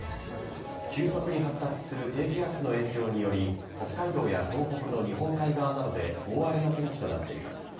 急速に発達する低気圧の影響により、北海道や東北の日本海側などで大荒れの天気となっています。